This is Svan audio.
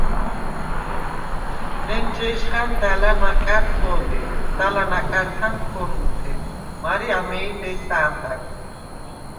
ლენჯე̄შხა̈ნ და̈ლა̈ ნაკა̈რთ’ ო̄დე, და̈ლა̈ ნაკა̈რხა̈ნ – ქორულთე, მარე ამეი დე̄ს’ ა̈მბა̈გვ.